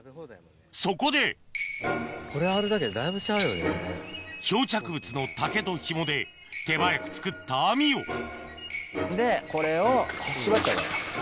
そこで漂着物の竹とひもで手早く作った網をでこれを縛ったら。